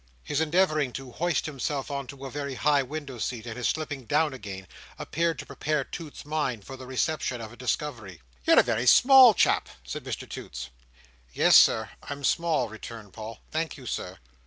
His endeavouring to hoist himself on to a very high window seat, and his slipping down again, appeared to prepare Toots's mind for the reception of a discovery. "You're a very small chap;" said Mr Toots. "Yes, Sir, I'm small," returned Paul. "Thank you, Sir."